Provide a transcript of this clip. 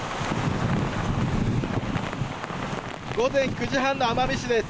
午前９時半の奄美市です。